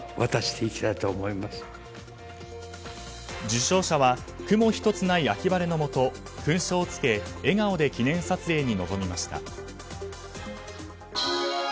受章者は雲１つない秋晴れのもと勲章をつけ笑顔で記念撮影に臨みました。